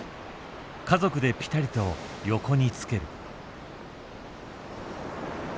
家族でぴたりと横につける。